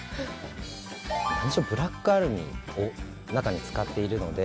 何しろブラックアルミを中に使っているので。